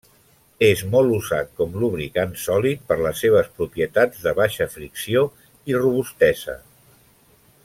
És molt usat com lubricant sòlid per les seves propietats de baixa fricció i robustesa.